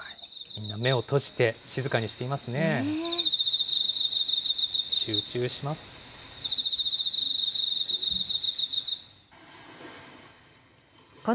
みんな目を閉じて、静かにしていますね。